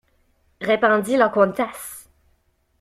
Répondit la comtesse.